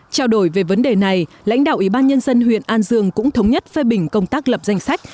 trao đổi về vấn đề này lãnh đạo ủy ban nhân dân huyện an dương cũng thống nhất phê bình công tác lập danh sách